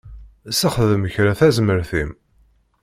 Sexdem kra tazmert-im.